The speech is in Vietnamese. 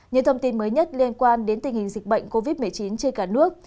những thông tin mới nhất liên quan đến tình hình dịch bệnh covid một mươi chín trên cả nước